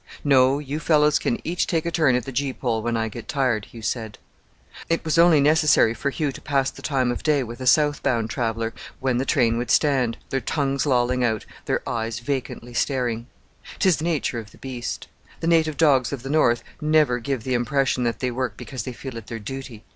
"No, you fellows can each take a turn at the gee pole when I get tired," Hugh said. The dogs would stop for any excuse; it was only necessary for Hugh to pass the time of day with a south bound traveller, when the train would stand, their tongues lolling out, their eyes vacantly staring. 'Tis the nature of the beast. The native dogs of the north never give the impression that they work because they feel it their duty.